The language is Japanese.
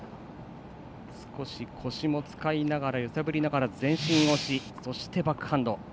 少し腰も使いながら揺さぶりながら前進をしてバックハンド。